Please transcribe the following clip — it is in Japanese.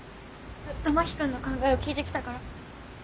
ずっと真木君の考えを聞いてきたから。